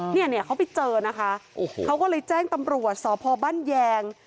นี่เขาไปเจอนะคะเขาก็เลยแจ้งตำรวจศพบ้านแยง